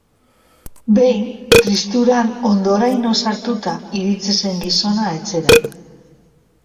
Behin, tristuran hondoraino sartuta iritsi zen Gizona etxera.